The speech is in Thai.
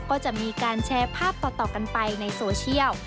ก็จะมีการแชร์ภาพต่อกันไปในโซเชียล